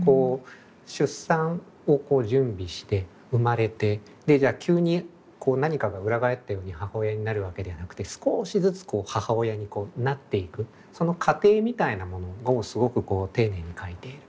出産をこう準備して生まれてでじゃ急にこう何かが裏返ったように母親になるわけではなくて少しずつ母親にこうなっていくその過程みたいなものをすごく丁寧に書いている。